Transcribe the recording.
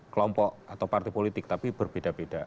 kelompok atau partai politik tapi berbeda beda